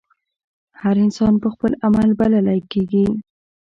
هر انسان پۀ خپل عمل بللے کيږي